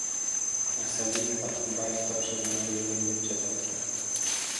Масалиев Атамбаев тапшырма берген деп жатат.